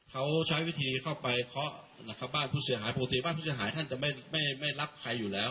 เขาใช้วิธีเข้าไปเคาะบ้านผู้เสียหายปกติบ้านผู้เสียหายท่านจะไม่รับใครอยู่แล้ว